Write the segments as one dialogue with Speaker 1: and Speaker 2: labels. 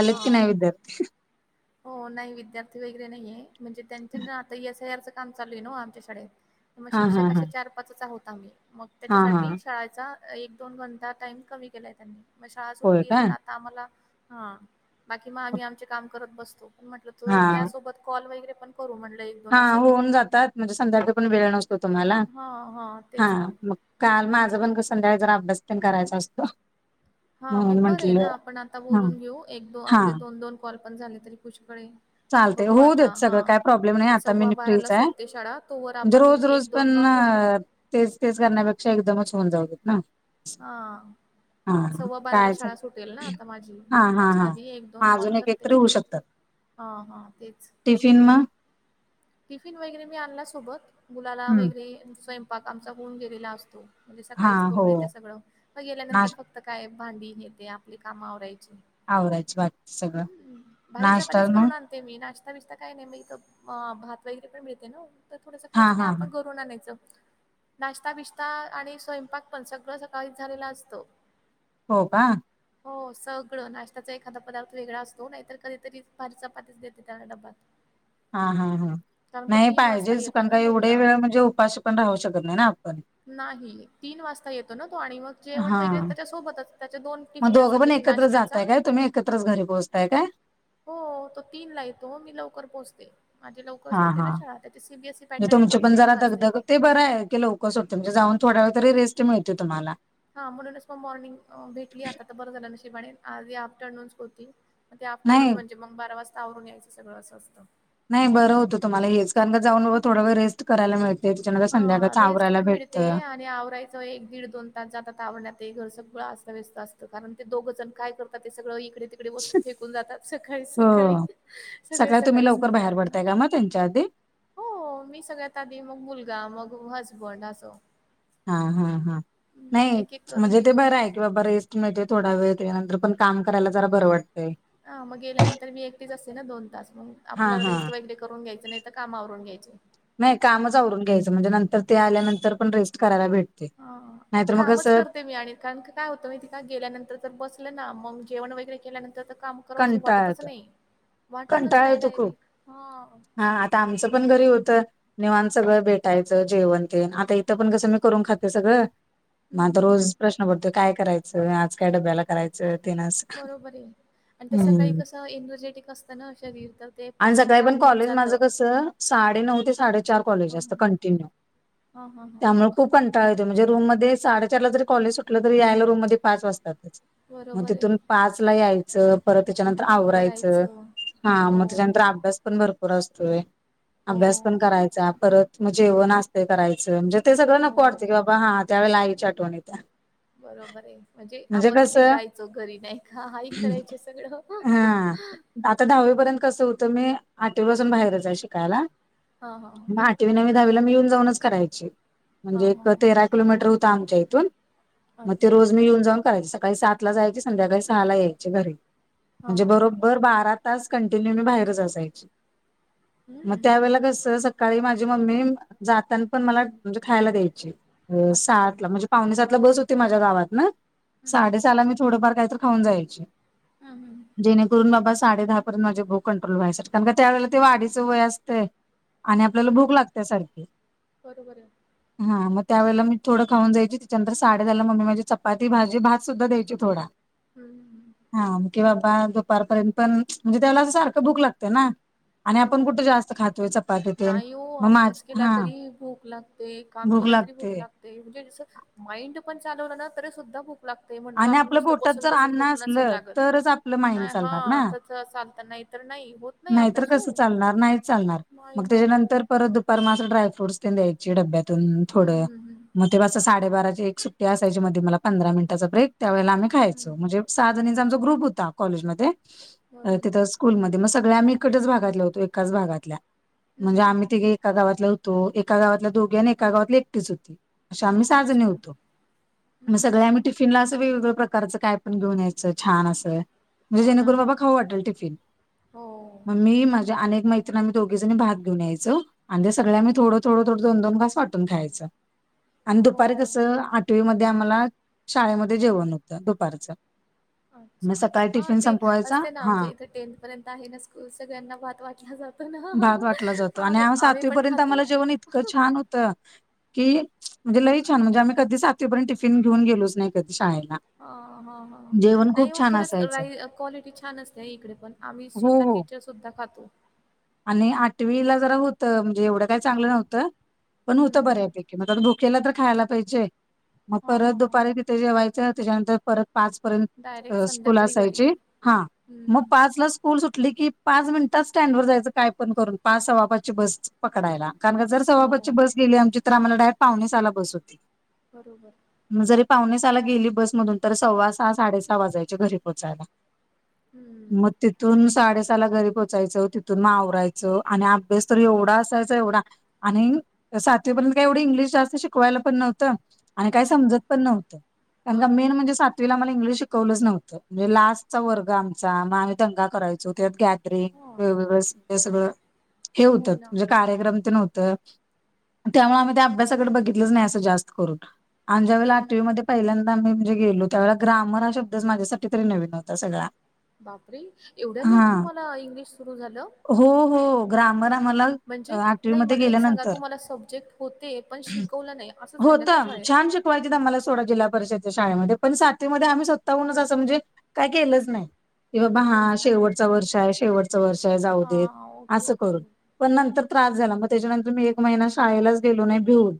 Speaker 1: आलेत की
Speaker 2: हा.
Speaker 1: नाही विद्यार्थी?
Speaker 2: हो नाही विद्यार्थी वगैरे नाहीये, म्हणजे त्यांच्या आता एस आय आरचं काम चालू आहे न आमच्या शाळेेत. क मग
Speaker 1: हा हा
Speaker 2: शिक्षक
Speaker 1: हा
Speaker 2: अशा चार पाच च आहोता आम्ही मग
Speaker 1: हा हा
Speaker 2: त्याच्यासाठी शाळेचा- एक दोन घंटा टाइम कमी केलाय त्यांनी मग शाळा
Speaker 1: होय
Speaker 2: सुटली
Speaker 1: का
Speaker 2: तर, आम्हाला ह बाकी मग आम्ही आमचे काम करत बसतो, पण म्हटलं त
Speaker 1: हा
Speaker 2: त्यासोबत- कॉल वगैरे पण करू म्हणलं.
Speaker 1: हा होऊन जातात म्हणजे संध्याकाळी पण वेळ नसतो तुम्हाला
Speaker 2: हां, हां.
Speaker 1: हा
Speaker 2: तेच ना.
Speaker 1: मग- काल माझं पण संध्याकाळी जरा अभ्यास पण करायचा असतो.
Speaker 2: हा
Speaker 1: म्हणून
Speaker 2: मग बरं आहे ना
Speaker 1: म्हंटलं
Speaker 2: आपण आता
Speaker 1: हा
Speaker 2: बोलून घेऊ एक दो
Speaker 1: हा
Speaker 2: आपले दोन दोन कॉल पण झाले तरी पुष्कळेय.
Speaker 1: चालतंय होऊ देत सगळं काय प्रॉब्लेम नाही आता मी
Speaker 2: ला
Speaker 1: फ्रीज आहे
Speaker 2: सुटते शाळा, तोवर
Speaker 1: म्हणजे
Speaker 2: आपण
Speaker 1: रोज रोज- पण
Speaker 2: कॉल होते.
Speaker 1: तेच तेच करण्यापेक्षा एकदमच होऊन जाऊ देत ना.
Speaker 2: हा
Speaker 1: हा हा
Speaker 2: सव्वा बाराला
Speaker 1: काय चाल
Speaker 2: शाळा सुटेल ना आता माझी
Speaker 1: हा
Speaker 2: मग
Speaker 1: हा
Speaker 2: त्याच्या
Speaker 1: हा
Speaker 2: आधी एक दोन
Speaker 1: हा
Speaker 2: कॉल
Speaker 1: अजून एक
Speaker 2: करते.
Speaker 1: एकतरी
Speaker 2: हा हा तेच
Speaker 1: टिफन म
Speaker 2: टिफिन वगैरे मी आणला सोबत मुलाला
Speaker 1: हम्म
Speaker 2: वगैरे स्वयंपाक आमचा होऊन गेलेला असतो. म्हणजे
Speaker 1: हा
Speaker 2: सकाळीच
Speaker 1: हो
Speaker 2: करून येते सगळं मग गेल्यानंतर
Speaker 1: नाश
Speaker 2: फक्त- काय भांडी न येते आपली काम आवरायची.
Speaker 1: आवरायच बाकी सगळं नाश्ता म-
Speaker 2: ते मी नाश्ता बिस्ता काय नाही मग भात वगैरे पण मिळते ना. तर थोडंसं
Speaker 1: हा
Speaker 2: खायचं
Speaker 1: हा
Speaker 2: काय
Speaker 1: हा.
Speaker 2: आपण घरून आणायचं. नाश्ता बिशता आणि स्वयंपाक पण सगळं सकाळी झालेला असतो.
Speaker 1: हो का
Speaker 2: हो सगळं नाश्याचा एखादा पदार्थ वेगळा असतो, नाहीतर कधीतरी भारी चपातीच देते त्याला डब्ब -
Speaker 1: हा हा हा नाही
Speaker 2: तीन वाजता
Speaker 1: पाहिजेच
Speaker 2: येतो
Speaker 1: कारण का
Speaker 2: ना
Speaker 1: एवढे
Speaker 2: मुलगा
Speaker 1: वेळ म्हणजे उपाशी पण राहू शकत नाही ना आपण.
Speaker 2: नाही तीन वाजता येतो ना तो आणि मग जेवण
Speaker 1: हा
Speaker 2: वगैरे त्याच्या सोबतच त्याच्या दोन
Speaker 1: मग
Speaker 2: टिफिन
Speaker 1: दोघं
Speaker 2: असतात
Speaker 1: पण
Speaker 2: एक
Speaker 1: एकत्र
Speaker 2: नाश्त्याचा
Speaker 1: जाताय काय? तुम्ही एकत्रच घरी पोहोचताय काय?
Speaker 2: हो. तो तीन ला येतो, मी लवकर पोहोचते. माझे लवकर
Speaker 1: हा
Speaker 2: सुटते ना
Speaker 1: हा
Speaker 2: शाळा त्याची सीबीएसई
Speaker 1: म्हणजे
Speaker 2: पॅटर्न येत
Speaker 1: तुमची
Speaker 2: मग
Speaker 1: पण
Speaker 2: तीन
Speaker 1: जरा
Speaker 2: वाजता
Speaker 1: दगदग,
Speaker 2: येते
Speaker 1: ते बरं आहे की लवक हो म्हणजे जाऊन थोड वेळ तरी रेस्ट मिळते तुम्हाला
Speaker 2: हा म्हणूनच मग मॉर्निंग भेटली आता तर बरं झालं नशिबाणे आजच आफ्टरनूनच होती म ते आफ्टरनून
Speaker 1: नाही
Speaker 2: म्हणजे मग बारा वाजता आवरून यायचं सगळं असं असतं
Speaker 1: नाही बरं होतं तुम्हाला हेच कारण का जाऊन थोडावेळ रेस्ट करायला मिळतो
Speaker 2: हा रेस्ट पण मिळते आणि आवराय एक दीड दोन तास जातात आवरण्यात ते घर सगळं अस्ताव्यस्त असतं कारण ते दोघं जण काय करतात ते सगळं इकडे तीकडे वस्तू फेकून जातात सकाळी सकाळी
Speaker 1: हो
Speaker 2: सगळे सकाळीच निघतात ना.
Speaker 1: त्यांच्याआधी
Speaker 2: हो मी सगळ्यात आधी मग मुलगा मग हसबंड असं
Speaker 1: हा हा हा
Speaker 2: हम्म,
Speaker 1: नाही
Speaker 2: एक एक करून
Speaker 1: म्हणजे ते
Speaker 2: निघतो.
Speaker 1: बरं आहे. की बाबा रेस्ट मिळते थोडा वेळ त्यानंतरं पण काम करायला बरं वाटतं
Speaker 2: ह मग गेल्यानंतर मी एकटीच असते ना दोन तास मग
Speaker 1: हा
Speaker 2: आपला
Speaker 1: हा.
Speaker 2: रेस्ट वगैरे करून घ्यायचं नाही तर कामा आवरून घ्यायच.
Speaker 1: नाही कामच आवरून घ्यायचं म्हणजे नंतर ते आल्यानंतर पण रेस्ट करायला भेटत
Speaker 2: हा एक कामच करते मी आणि कारण काय काय होतं माहितीये का गेल्यानंतर जर बसले ना मग जेवण वगैरे केल्यानंतर तर काम करावस अस
Speaker 1: कंटाळ
Speaker 2: वाटतच
Speaker 1: येतो
Speaker 2: नाही वाटतच
Speaker 1: कंटाळ
Speaker 2: नाही
Speaker 1: येतो खूप
Speaker 2: डायरेक्ट हा
Speaker 1: हा आता आमचं पण घरी होतं निवांत सगळं भेटायचं जेवण तेन आता इथं पण कसं मी करून खाते सगळं मग
Speaker 2: हं,
Speaker 1: आता
Speaker 2: हं, हं.
Speaker 1: रोज प्रश्न पडतो काय करायचं आज काय डब्याला करायचं तेन असं
Speaker 2: बरोबर आहे आणि ते सकाळी
Speaker 1: हम्म.
Speaker 2: कसं एनर्जेटिक असतं ना शरीर त्यात
Speaker 1: आणि सकाळी पण कॉलेज माझं कसं साडे नऊ ते साडेचार कॉलेज असतं कंटिन्यू
Speaker 2: हा हा हा..
Speaker 1: त्यामुळे खूप कंटाळा येतो म्हणजे रूम मध्ये साडेचार ला जरी कॉलेज सुटलं तरी यायला रूम मध्ये पाच वाजतातच मग
Speaker 2: बरोबर आहे.
Speaker 1: तिथून पाच ला यायचं परत त्याच्यानंतर आवरायचं
Speaker 2: करायचं.
Speaker 1: हा
Speaker 2: हो,
Speaker 1: मग त्याच्यानंतर अभ्यास पण भरपूर असतोय
Speaker 2: हो,
Speaker 1: अभ्यास पण करायचा परत मग जेवण असते करायचं म्हणजे ते सगळं
Speaker 2: हो.
Speaker 1: नको वाटते की बाबा हा त्यावेळेला आईची आठवण येत्या
Speaker 2: बरोबर आहे म्हणजे आपण फ्री राहायचो घरी नाही का हा आई करायचे सगळं
Speaker 1: हा आता दहावीपर्यंत कसं होतं मी आठवी पासून बाहेरच आहे शिकायला
Speaker 2: हां, हां, हां.
Speaker 1: म नवी दहावीला मी येऊन जाऊनच करायची
Speaker 2: हां,
Speaker 1: म्हणजे एक
Speaker 2: हां, हां.
Speaker 1: तेरा किलोमीटर होत आमच्या इथून मग ते
Speaker 2: अच्छा.
Speaker 1: रोज मी येऊन जाऊन करायचे सकाळी सात ला जायची संध्याकाळी सहा ला यायची घरी
Speaker 2: हां,
Speaker 1: म्हणजे
Speaker 2: हां,
Speaker 1: बरोबर
Speaker 2: हां.
Speaker 1: बरोबर बारा तास कॅन्टीनू मी बाहेरच असायची मग
Speaker 2: हं.
Speaker 1: त्यावेळेला कसं सकाळी माझी मम्मी जाताना पण मला म्हणजे खायला द्यायची
Speaker 2: अच्छा.
Speaker 1: सातला म्हणजे पावणे सातला बस होती माझ्या गावात ना
Speaker 2: हं, हं.
Speaker 1: साडेसहाला मी थोडंफार काहीतर खाऊन जायचे
Speaker 2: हम हम.
Speaker 1: जेणेकरून बाबा साडे दहापर्यंत माझे भूक कंट्रोल व्हायसाठी कारण का त्यावेळेला ते वाढीचं वय असते आणि आपल्याला भूक
Speaker 2: हं.
Speaker 1: लागतिया सारखी
Speaker 2: बरोबर आहे.
Speaker 1: हा मग त्या वेळेला मी थोडं खाऊन जायची त्याच्यानंतर साडेदहाला मम्मी माझी चपाती, भाजी, भात सुद्धा द्यायची थोडा
Speaker 2: हम् हम.
Speaker 1: हा की बाबा दुपारपर्यंत पण म्हणजे त्यालावेळेला अस सारखं भुक लागतिया ना आणि आपण कुठ
Speaker 2: हो.
Speaker 1: जास्त खातोय च
Speaker 2: नाही ओ अभ्यास केला तरी भूक लागते काम केला तरी भूक लाग ते म्हणजे जस माइंड पण चालवलं ना तरी सुद्धा भूक लागते म्हणतो
Speaker 1: आणि
Speaker 2: आपण
Speaker 1: आपल्या
Speaker 2: नुसत
Speaker 1: पोटात
Speaker 2: बसून
Speaker 1: जर
Speaker 2: बसून
Speaker 1: अन्न
Speaker 2: भुक नसेल
Speaker 1: असलं
Speaker 2: लागल
Speaker 1: तरच आपलं माइंड
Speaker 2: नाही
Speaker 1: चालणार ना.
Speaker 2: ह चालत नाही तर नाही होत नाही
Speaker 1: नाहीतर
Speaker 2: अभ्यास हो.
Speaker 1: कसं चालणार नाहीच चालणार
Speaker 2: नाही
Speaker 1: मग
Speaker 2: होत.
Speaker 1: त्याच्यानंतर परत दुपार म असं ड्रायफ्रुटस तेन द्यायचे डब्यातून थोड
Speaker 2: हं, हं, हं.
Speaker 1: म तेव्हा अस साडेबाराची एक सुट्टी असायची मध्ये मला पंधरा मिनिटाचा ब्रेक त्यावेेळेला आम्ही खायचो
Speaker 2: हं.
Speaker 1: म्हणजे सहा जणीचा आमचा ग्रुप होता कॉलेजमध्ये
Speaker 2: बरोबर.
Speaker 1: तिथं स्कूलमध्ये मग सगळे आम्ही इकटच भागातल्या होतो एकाच भागातल्या
Speaker 2: हं, हं,
Speaker 1: म्हणजे आम्ही तीघी
Speaker 2: हं.
Speaker 1: एका गावातल्या होतो एका गावातल्या दोघी आणि एका गावातली एकटीच होती अशा आम्ही सहा जणीे
Speaker 2: अच्छा. हं,
Speaker 1: होतो
Speaker 2: हं,
Speaker 1: सगळे
Speaker 2: हं.
Speaker 1: आम्ही टिफिनला असं वेगवेगळ प्रकारचं काय पण घेऊन यायचं छान असं म्हणजे
Speaker 2: हो ना.
Speaker 1: जेणेकरून बाबा खाऊ वाटल टिफिन
Speaker 2: हो
Speaker 1: मग मी माझी आणि एक मैत्रिन आम्ही दोघीजणी भात घेऊन यायचं आणि सगळ्या
Speaker 2: हां,
Speaker 1: आम्ही
Speaker 2: हां.
Speaker 1: थोडं थोडं दोन दोन घास वाटून खायचं आणि
Speaker 2: हो
Speaker 1: दुपारी कसं आठवीमध्ये ते आम्हाला शाळेमध्ये जेवण होतं दुपारच
Speaker 2: अच्छा हा ते असते ना
Speaker 1: हा
Speaker 2: आमच्या इथे टेंन्थ पर्यंत आहे ना स्कूल सगळ्यांना भात वाटला जातो ना
Speaker 1: भाात वाटला जातो आणि
Speaker 2: आम्ही
Speaker 1: आव
Speaker 2: आम्ही पण
Speaker 1: सातवीपर्यंत
Speaker 2: खातो
Speaker 1: आम्हाला जेवण इतकं छान होतं की म्हणजे लई छान म्हणजे आम्ही कधी सातवीपर्यंत टिफिन घेऊन गेलोच नाही कधी शाळेला
Speaker 2: ह ह ह
Speaker 1: जेवण
Speaker 2: नाही
Speaker 1: खूप
Speaker 2: हो
Speaker 1: छान
Speaker 2: खरंच रा
Speaker 1: असायचं.
Speaker 2: क्वालिटी छान असत्या इकडे पण आम्ही
Speaker 1: हो
Speaker 2: स्वतः
Speaker 1: हो
Speaker 2: टीचर सुद्धा खातो
Speaker 1: आणि आठवीला जरा होतं म्हणजे एवढं काय चांगलं नव्हतं पण होतं
Speaker 2: हम्म
Speaker 1: बऱ्यापेकी भुकेला तर खायला पाहिजे मग
Speaker 2: हा
Speaker 1: परत
Speaker 2: हा हा
Speaker 1: दुपारी तिथे जेवायचं त्याच्यानंतर परत पाच पर्यंत
Speaker 2: डायरेक्ट
Speaker 1: स्कूल
Speaker 2: संध्याकाळी घरी
Speaker 1: असायची हा मग
Speaker 2: हम्म
Speaker 1: पाचला स्कूल सुटली की पाच मिनिटात स्टँड वर जायचं काय पण करून पाच सव्वा पाच ची बस पकडायला कारण का जर सव्वा
Speaker 2: हो
Speaker 1: पाचची बस गेली आमची तर आम्हाला डायरेक्ट पावणे सहाला बस होती
Speaker 2: बरोबर
Speaker 1: जरी पावणे सहाला गेली बसमधून तर सव्वा सहा साडे सहा वाजयचे घरी पोहचायला
Speaker 2: हम्म
Speaker 1: म तिथून साडेसहाला घरी पोचायचं तिथून मग आवरायचं आणि अभ्यास तर एवढा असायचा एवढा आणि सातवीपर्यंत काय एवढी इंग्लिश जास्त शिकवायला पण नव्हतं आणि काय
Speaker 2: हम्म
Speaker 1: समजत पण नव्हतं कारण का मेन
Speaker 2: बरोबर
Speaker 1: म्हणजे सात वीला मला इंग्लिश शिकवलंच नव्हतं म्हणजे लास्टचा वर्ग आमचा मग आम्ही दंगा करायचो त्यात
Speaker 2: हा
Speaker 1: वेगवेगळ हे सगळं हे होतं
Speaker 2: हो ना
Speaker 1: म्हणजे कार्यक्रम तेन होत आणि त्यामुळे आम्ही त्या अभ्यासाकड बघितलंच नाही असं जास्त करून अन ज्यावेळीला
Speaker 2: हम्म
Speaker 1: आठवीमध्ये
Speaker 2: हम्म
Speaker 1: पहिल्यांद मी म्हणजे गेलो त्यावेळी ग्रामर हा शब्दच माझ्यासाठी तरी नवीन होता सगळा
Speaker 2: बापरे एवढ्या लेट
Speaker 1: हा
Speaker 2: तूम्हाला इंग्लिश सुरू झालं
Speaker 1: हो हो ग्रामर आम्हाला
Speaker 2: म्हणजे नाही
Speaker 1: आठवीमध्ये
Speaker 2: मला एक सांगा
Speaker 1: गेल्यानंतर
Speaker 2: तूम्हाला सब्जेक्ट होते पण शिकवलं नाही असं झालं का
Speaker 1: होतं
Speaker 2: शाळेत
Speaker 1: छान शिकवायचीत आम्हाला सोडा जिल्हा परिषदच्या शाळेमध्ये पण सातवीमध्ये आम्ही स्वतःहूनच असं म्हणजे काय केलंच नाही कि बाबा हा
Speaker 2: केलंच नाही
Speaker 1: शेवटचं
Speaker 2: ओके
Speaker 1: वर्ष आहे शेवटचं वर्ष आहे जाऊदेत
Speaker 2: हां ओके
Speaker 1: असं
Speaker 2: ओके
Speaker 1: करून पण नंतर त्रास
Speaker 2: अच्छा
Speaker 1: झाला म त्याच्यानंतर मी एक महिना शाळेलाच गेलो नाही भिऊून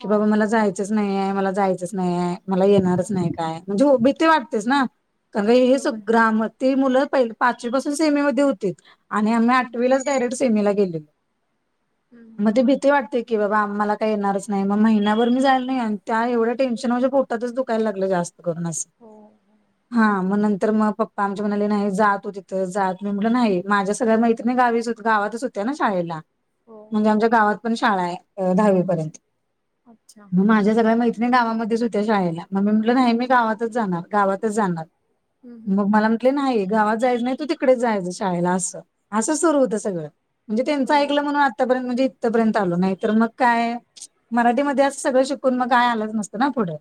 Speaker 1: की
Speaker 2: हां
Speaker 1: बाबा मला जाय च नाही आहे मला जायचंच नाही आहे मला
Speaker 2: हां
Speaker 1: येणारच
Speaker 2: हां
Speaker 1: नाही काय म्हणजे हो भिती
Speaker 2: हां
Speaker 1: वाटतेचं ना, कारण हे
Speaker 2: बरोबर
Speaker 1: कसं
Speaker 2: आहे.
Speaker 1: ग्रामर- ती मुलं पहि पाचवी पासून सेमीमधे होतीत आणि आम्ही
Speaker 2: हम्म
Speaker 1: आठवीलाचं डायरेक्ट सेमेला गेलो.
Speaker 2: हम्म
Speaker 1: मधे भी- ते वाटते की बाबा, आम्हाला काही येणारच नाही, मग महिनाभर मी जायला नाही आणि त्यावढ्या टेन्शनमधे खूप- तदीचं दुखायला लागलं जास्त करून असं,
Speaker 2: हो हो
Speaker 1: हा मग नंतर मग- पप्पा आमच्या म्हणाले नाही जा तु तिथं जा, मी म्हटलं नाही माझ्या सगळ्या मैत्रिणी गावीचं गावातचं होत्या ना शाळेला.
Speaker 2: हो.
Speaker 1: मग आमच्या गावात पण शाळा आहे, अ दहावी पर्यंत.
Speaker 2: अच्छा.
Speaker 1: मग माझ्या सगळ्या मैत्रिणी गावामध्येच होत्या शाळेला मग मी म्हटलं नाही मी गावातचं जाणार, गावातचं जाणार.
Speaker 2: हम हम-
Speaker 1: पप्पा म्हटले नाही गावात जायचं नाही. तू तिकडेच जायचं शाळेला असं, असं सुरू होतं सगळं. म्हणजे त्यांचं
Speaker 2: हो
Speaker 1: ऐकलं म्हणून आतापर्यंत म्हणजे इथपर्यंत आलो नाही तर मग काय. मराठीमध्ये असं सगळं शिकून मग काय आलंच नसतं ना पुढं.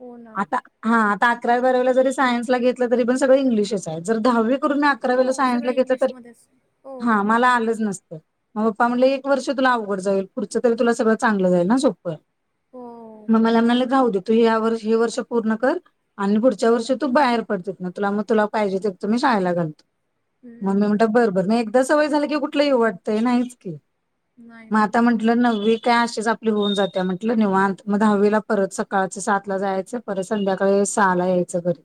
Speaker 2: हो ना
Speaker 1: आता हा आता अकरावी, बारावीला जरी सायन्सला घेत- घेतलं तरी पण सग इंग्लिशच आहे जर दहावी करून अकरावीला
Speaker 2: हो सगळं
Speaker 1: सायन्सला घेतलं, तर
Speaker 2: इंग्लिशमध्येच हो
Speaker 1: हा आम्हाला आलंच नसतं. मग पप्पा म्हटलं एक वर्ष तुला अवघड जाईल, पुढच तरी तुला सगळं चांगलं जाईल ना सोपं.
Speaker 2: हो
Speaker 1: मग मला म्हंटलं जाऊ दे. तू या वर्षी हे वर्ष पूर्ण कर आणि पुढच्या वर्ष तू बाहेर- मग तुला मग तुला पाहिजे तिथं मी शाळेला घालतो, मग मी
Speaker 2: हम्म
Speaker 1: म्हटलं- बरं बर मग एकदा सवय झालं की कुठलं येऊ वाटतंय नाहीच की.
Speaker 2: नाही
Speaker 1: मग
Speaker 2: ना
Speaker 1: आता
Speaker 2: बरोबर
Speaker 1: म्हटलं
Speaker 2: आहे.
Speaker 1: नववी काय अशीचं - होऊन जात्या म्हटलं निवांत मग, दहावीला परत सकाळचं सातला जायचं परत संध्याकाळी सहाला यायचं घरी.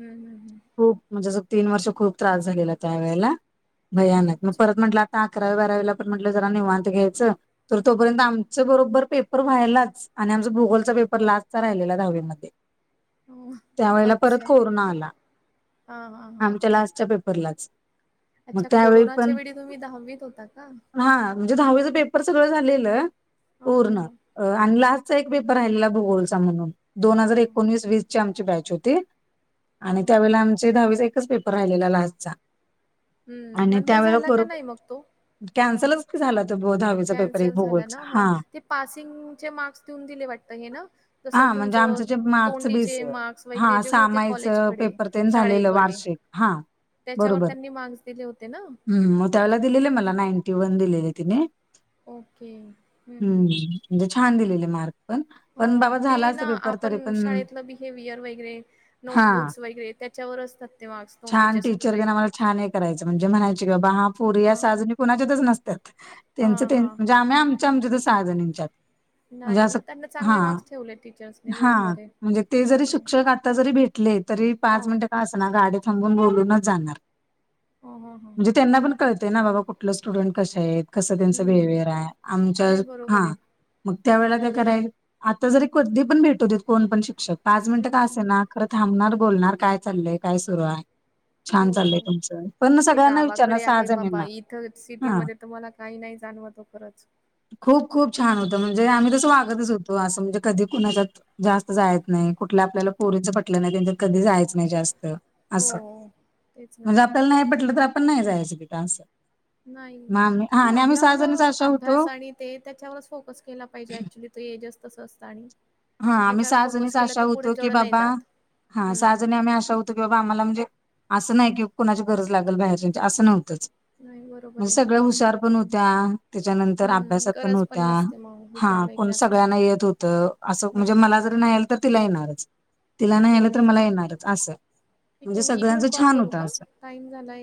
Speaker 2: हां हां हां
Speaker 1: हो म्हणजे असं तीन वर्ष खूप त्रास झालेला त्या वेळेला भयानक, मग
Speaker 2: अच्छा
Speaker 1: परत म्हंटलं- आता अकरावी बारावीला म्हटलं जरा निवांत घ्यायचं, तर तोपर्यंत आमचे बरोबर पेपर व्हायलाचं- आणि आमचा भूगोलचा पेपर लास्टचा राहिलेला दहावीमधे.
Speaker 2: हो अच्छा.
Speaker 1: परत कोरोना आला,
Speaker 2: हां हां हां
Speaker 1: आमच्या लास्टच्या पेपरलाचं.
Speaker 2: अच्छा कोरोनाच्या वेळी तुम्ही दहावीत होता का?
Speaker 1: हा म्हणजे दहावीचं पेपर सगळं झालेलं
Speaker 2: ह ह ह
Speaker 1: पूर्ण- आणि लास्टचा एक पेपर राहिलेला भूगोलचा म्हणून दोन
Speaker 2: ह
Speaker 1: हजार एकोणीस, वीसची आमची बॅच होती.
Speaker 2: ह
Speaker 1: आणि
Speaker 2: ह
Speaker 1: त्यावेळेला
Speaker 2: ह
Speaker 1: आमचे दहावीचा एकच पेपर राहिलेला लास्टचा.
Speaker 2: हम्म नंतर झाला का नाही मग तो-
Speaker 1: कॅन्सलचं- झालं तो बो दहावीला.
Speaker 2: कॅन्सल झाला ना मग ते पासिंगचे मार्क्स देऊन दिले वाटत हे ना. दुसरं
Speaker 1: हा म्हणजे
Speaker 2: तुमचं
Speaker 1: आमचं जे मार्कचं बेस
Speaker 2: तोंडीचे मार्स वगैरे
Speaker 1: हा
Speaker 2: जे- होते
Speaker 1: सामायचं
Speaker 2: कॉलेजकडे
Speaker 1: पेपर तेन झालेलं
Speaker 2: शाळेकडे.
Speaker 1: वार्षिक हा
Speaker 2: त्याच्यावर त्यांनी मार्क्स दिले होते ना.
Speaker 1: त्यांनं दिलेल्या मला नाईन्टी वन त्यांना दिलेले तिने.
Speaker 2: ओके हम्म हम्म.
Speaker 1: म्हणजे छान दिलेले मार्क. पण पण
Speaker 2: हां
Speaker 1: बाबा
Speaker 2: ते
Speaker 1: झाला असता
Speaker 2: ना
Speaker 1: पेपर तरी
Speaker 2: आपण
Speaker 1: पण
Speaker 2: शाळेतलं बिहेवियर वगैरे.
Speaker 1: हा
Speaker 2: नोटबुक्स वगैरे त्याच्यावरचं तर ते मार्क्स
Speaker 1: छान
Speaker 2: तोंडीचे
Speaker 1: टीचर देन
Speaker 2: सगळे-
Speaker 1: पुरी या
Speaker 2: हा हा
Speaker 1: सहाजणी कुणाच्यातच नसतात
Speaker 2: हा
Speaker 1: त्यांच
Speaker 2: हा
Speaker 1: म्हणजे
Speaker 2: हा
Speaker 1: आम्ही आमच्या आमच्यातच सहाजणींच्यात. म्हणजे
Speaker 2: नाही
Speaker 1: अस
Speaker 2: मग त्यांना
Speaker 1: हा
Speaker 2: चांगले मार्क्स ठेवले टीचर्सनी
Speaker 1: हा
Speaker 2: बरोबर आहे.
Speaker 1: म्हणजे ते
Speaker 2: हो
Speaker 1: जरी
Speaker 2: हो
Speaker 1: शिक्षक आता जरी भेटले तरी
Speaker 2: हो
Speaker 1: पाच मिनिटे का असणा गाडी थांबून बोलूनच जाणार.
Speaker 2: हो हो
Speaker 1: म्हणजे त्यांना पण कळतेय ना बाबा कुठलं स्टुडंट कस आहेत कसं त्यांचं
Speaker 2: हम्म
Speaker 1: बिहेवियर आहे आमच्या
Speaker 2: नाही बरोबर
Speaker 1: हा
Speaker 2: आहे.
Speaker 1: मग त्या वेळेला काय करायल आता जरी कधी पण भेटू दे कोण पण शिक्षक पाच मिनटं का असणा.
Speaker 2: हम्म
Speaker 1: खरं थांबणार बोलणार काय चालयय काय सुरू आहे.
Speaker 2: हो
Speaker 1: छान चाललंय तुमचं पण
Speaker 2: ते
Speaker 1: सगळ्यांना विचारणार
Speaker 2: गावाकडे
Speaker 1: सहा
Speaker 2: आहे बाबा
Speaker 1: जणींना
Speaker 2: इथं
Speaker 1: हा
Speaker 2: सिटीमध्ये तर मला काही नाही जाणवत हो. खरंच
Speaker 1: खूप खूप छान होतं म्हणजे आम्ही तसं वागतच होतो असं म्हणजे कधी कुणाच्यात जास्त जायत नाही कुठल्या आपल्याला पोरीच पटलं नाही कधी जायच नाही जास्त
Speaker 2: हो
Speaker 1: अस
Speaker 2: तेच ना
Speaker 1: म्हण आपल्याला नाही पटलं तर आपण नाही जायचं तिथं असं
Speaker 2: नाही
Speaker 1: मग आम्ही हा
Speaker 2: ते
Speaker 1: आणि आम्ही
Speaker 2: आपलं
Speaker 1: सहा जणच
Speaker 2: आपलं
Speaker 1: अशा होतो
Speaker 2: अभ्यास आणि ते त्याच्यावरच फोकस केला पाहिजे ऍक्च्युली तो एजच तसं असत आणि
Speaker 1: हा आम्ही
Speaker 2: त्याच्यावर फोकस
Speaker 1: सहाजणीच
Speaker 2: केला
Speaker 1: आशा
Speaker 2: तर पुढे
Speaker 1: होतो की
Speaker 2: जड नाही
Speaker 1: बाबा
Speaker 2: जात
Speaker 1: हा
Speaker 2: हम्म
Speaker 1: सहाजणी आम्ही आशा होतो. की बाबा आम्हाला म्हणजे असं नाही कि कोणाची गरज लागेल बाहेरच्याची असं नव्हतंच.
Speaker 2: नाही बरोबर
Speaker 1: म्हणजे
Speaker 2: आहे.
Speaker 1: सगळ्या हुशार पण होत्या त्याच्यानंतर
Speaker 2: हम्म
Speaker 1: अभ्यासात पण
Speaker 2: गरज
Speaker 1: होत्या.
Speaker 2: नसते मग
Speaker 1: हा
Speaker 2: हुशार
Speaker 1: पण
Speaker 2: वगैरे असलं
Speaker 1: सगळ्यांना
Speaker 2: की
Speaker 1: येत होतं अस. म्हणजे
Speaker 2: बरोबर
Speaker 1: मला जर नाही आलं तर तिला येणारच तिला नाही
Speaker 2: हो
Speaker 1: आलं तर मला येणारच असं.
Speaker 2: ठीक
Speaker 1: म्हणजे
Speaker 2: ये मी इकडून
Speaker 1: सगळ्यांचं
Speaker 2: कॉल
Speaker 1: छान
Speaker 2: करू
Speaker 1: होतं
Speaker 2: का
Speaker 1: असं.
Speaker 2: टाइम झालाय.